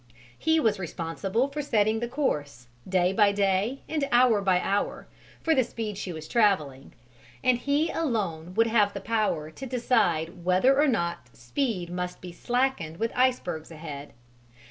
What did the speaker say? He was responsible for setting the course, day by day and hour by hour, for the speed she was travelling; and he alone would have the power to decide whether or not speed must be slackened with icebergs ahead.